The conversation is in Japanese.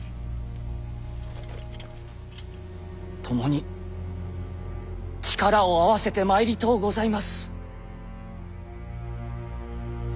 ともに力を合わせてまいりとうございます。